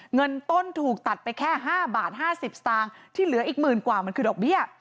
เงินต้นถูกตัดไปแค่๕บาท๕๐สตางค์ที่เหลืออีกหมื่นกว่ามันคือดอกเบี้ย